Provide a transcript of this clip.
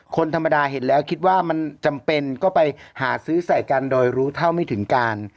คนธรรมดาเห็นแล้วคิดว่ามันจำเป็นก็ไปหาซื้อใส่กันโดยรู้เท่าไม่ถึงการ